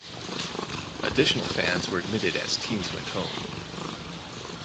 Additional fans were admitted as teams went home.